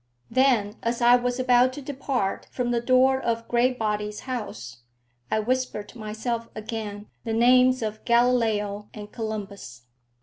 Then, as I was about to depart from the door of Graybody's house, I whispered to myself again the names of Galileo and Columbus.